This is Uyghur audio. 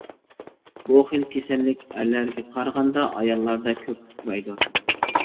بۇ خىل كېسەللىك ئەرلەرگە قارىغاندا ئاياللاردا كۆپ ئۇچرايدۇ.